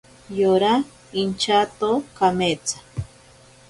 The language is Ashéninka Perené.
Yora inchato kametsa.